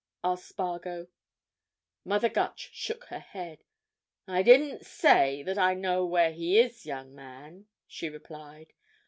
asked Spargo. Mother Gutch shook her head. "I didn't say that I know where he is, young man," she replied.